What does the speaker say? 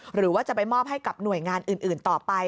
หรือว่าจะไปมอบให้กับหน่วยงานอื่นต่อไป